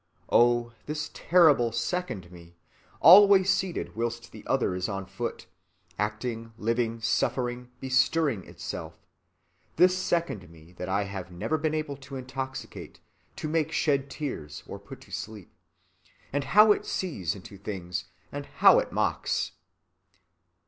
Oh, this terrible second me, always seated whilst the other is on foot, acting, living, suffering, bestirring itself. This second me that I have never been able to intoxicate, to make shed tears, or put to sleep. And how it sees into things, and how it mocks!"